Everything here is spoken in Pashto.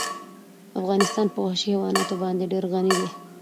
افغانستان په وحشي حیواناتو باندې ډېر غني دی.